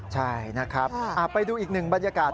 ใช่นะครับไปดูอีกหนึ่งบรรยากาศ